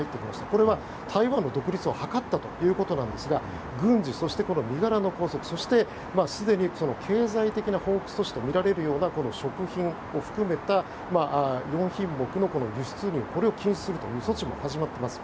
これは台湾の独立を図ったということなんですが軍事、そして身柄の拘束すでに経済的な報復とみられるような食品を含めた４品目の輸出入を禁止する措置も始まっています。